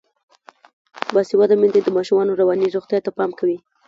باسواده میندې د ماشومانو رواني روغتیا ته پام کوي.